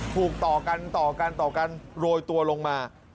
ถูกต่อกันต่อกันต่อกันโรยตัวลงมา